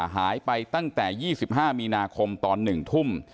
หายไปตั้งแต่ยี่สิบห้ามีนาคมตอนหนึ่งทุ่ม